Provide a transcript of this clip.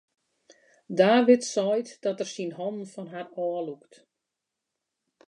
David seit dat er syn hannen fan har ôflûkt.